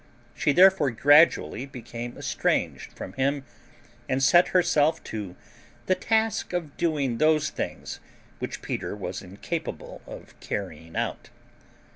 She therefore gradually became estranged from him and set herself to the task of doing those things which Peter was incapable of carrying out.